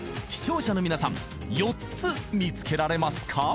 ［視聴者の皆さん４つ見つけられますか？］